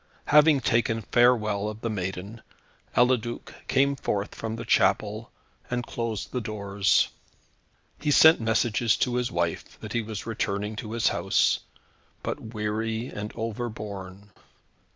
Having taken farewell of the maiden, Eliduc came forth from the chapel, and closed the doors. He sent messages to his wife, that he was returning to his house, but weary and overborne.